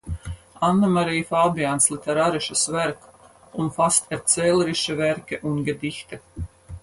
Anne-Marie Fabians literarisches Werk umfasst erzählerische Werke und Gedichte.